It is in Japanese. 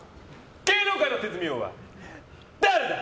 芸能界の手積み王は誰だ！？